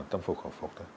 tâm khổ khổ phục